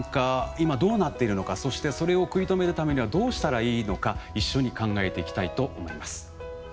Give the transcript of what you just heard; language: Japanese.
今どうなっているのかそしてそれを食い止めるためにはどうしたらいいのか一緒に考えていきたいと思います。